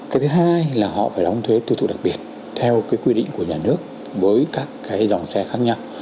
cái thứ hai là họ phải đóng thuế tư tụ đặc biệt